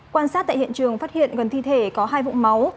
quan sát tại hiện trường phát hiện gần thi thể có hai vụ máu